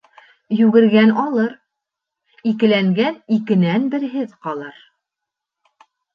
Йүгергән алыр, икеләнгән икенән берһеҙ ҡалыр.